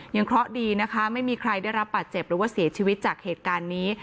เคราะห์ดีนะคะไม่มีใครได้รับบาดเจ็บหรือว่าเสียชีวิตจากเหตุการณ์นี้